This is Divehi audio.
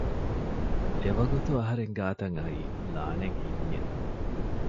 އެވަގުތު އަހަރެން ގާތަށް އައީ ލާނެތް ހިންޏެއް